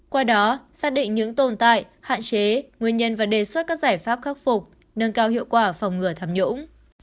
qua đó xác định những tồn tại hạn chế nguyên nhân và đề xuất các giải pháp khắc phục nâng cao hiệu quả phòng ngừa tham nhũng